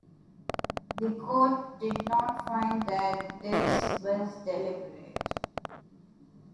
The Court did not find that this was deliberate.